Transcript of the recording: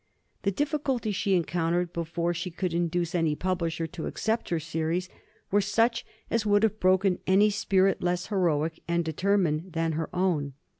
The difficulties she encountered, before she could induce any publisher to accept her series, were such as would have broken any spirit less heroic and determined than her own.